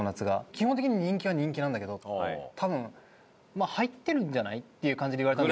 基本的に人気は人気なんだけど多分まあ入ってるんじゃない？っていう感じで言われた。